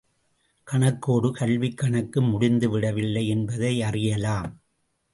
கணக்கோடு, கல்விக் கணக்கு முடிந்துவிடவில்லை என்பதை அறியலாம்.